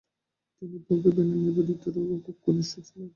তিনি ভগিনী নিবেদিতারও খুব ঘনিষ্ঠ ছিলেন।